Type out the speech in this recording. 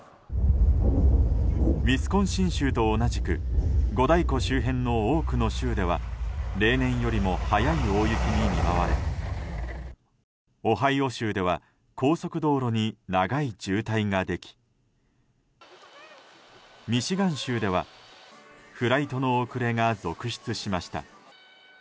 ウィスコンシン州と同じく五大湖周辺の多くの州では例年よりも早い大雪に見舞われオハイオ州では高速道路に長い渋滞ができミシガン州ではフライトの遅れが続出しました。